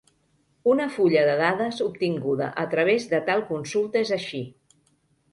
Una fulla de dades obtinguda a través de tal consulta és així.